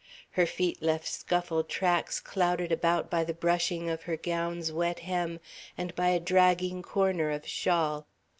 Her feet left scuffled tracks clouded about by the brushing of her gown's wet hem and by a dragging corner of shawl.